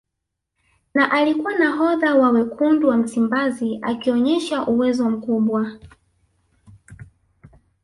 Na alikuwa nahodha wa Wekundu wa Msimbazi akionyesha uwezo mkubwa